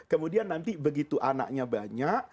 kemudian nanti begitu anaknya banyak